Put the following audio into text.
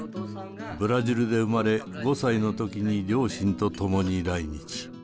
ブラジルで生まれ５歳のときに両親とともに来日。